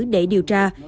để điều tra